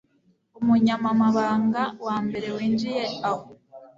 umunyamamabanga wa mbere winjiye aho